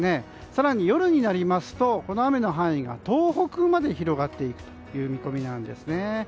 更に夜になりますとこの雨の範囲が東北まで広がっていくという見込みなんですね。